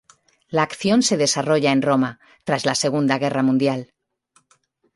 La acción se desarrolla en Roma, tras la Segunda Guerra Mundial.